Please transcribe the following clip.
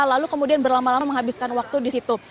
lalu kemudian berlama lama menghabiskan waktu di situ